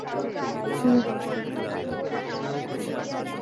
এই আমার কলম চুরি করেছিস, গাধা কোথাকার?